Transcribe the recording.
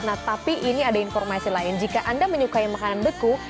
nah tapi ini ada informasi lain jika anda menyukai makanan beku